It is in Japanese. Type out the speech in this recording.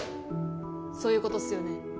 そういう事っすよね？